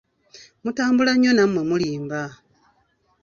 Mutambula nnyo nammwe mulimba.